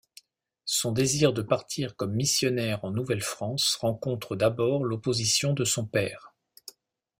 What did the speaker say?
Son désir de partir comme missionnaire en Nouvelle-France rencontre d'abord l'opposition de son père.